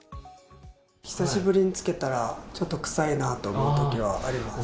久しぶりにつけたら、ちょっと臭いなと思うときはあります。